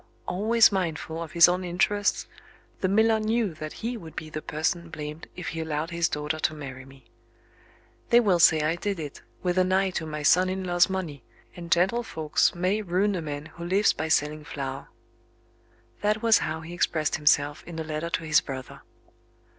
Always mindful of his own interests, the miller knew that he would be the person blamed if he allowed his daughter to marry me. "They will say I did it, with an eye to my son in law's money; and gentlefolks may ruin a man who lives by selling flour." That was how he expressed himself in a letter to his brother.